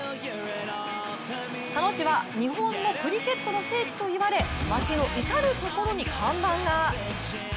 佐野市は日本のクリケットの聖地と言われ町の至る所に看板が。